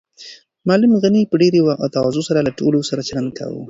معلم غني په ډېرې تواضع سره له ټولو سره چلند کاوه.